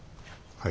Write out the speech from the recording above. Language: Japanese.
はい。